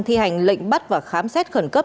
thi hành lệnh bắt và khám xét khẩn cấp